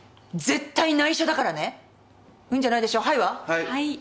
はい。